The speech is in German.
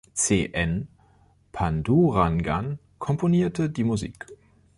CN Pandurangan komponierte die Musik.